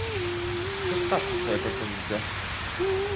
Przedstawcie swoje propozycje